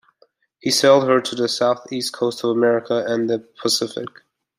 He sailed her to the south-east coast of America and then the Pacific.